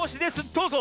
どうぞ！